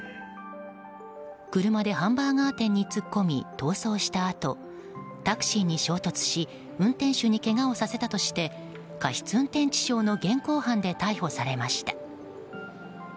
車でハンバーガー店に突っ込み逃走したあとタクシーに衝突し運転手にけがをさせたとして過失運転致傷の現行犯で逮捕されました。